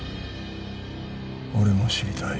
俺も知りたい。